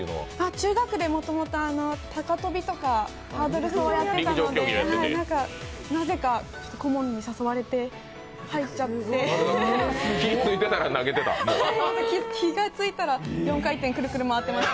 中学でもともと高跳びとかハードル走はやっていたのでなぜか顧問に誘われて入っちゃって気がついたら４回転クルクル回ってました。